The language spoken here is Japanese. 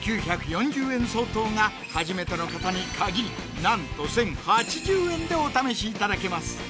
５９４０円相当が初めての方に限りなんと１０８０円でお試しいただけます